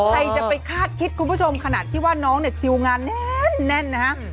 ใครจะไปคาดคิดคุณผู้ชมขนาดที่ว่าน้องเนี่ยคิวงานแน่นนะฮะ